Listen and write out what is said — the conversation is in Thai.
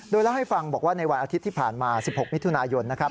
โดยเล่าให้ฟังบอกว่าในวันอาทิตย์ที่ผ่านมา๑๖มิถุนายนนะครับ